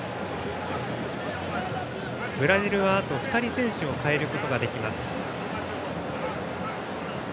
ブラジルはあと２人、選手を代えることができます。